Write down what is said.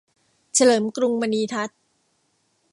เฉลิมกรุงมณีทัศน์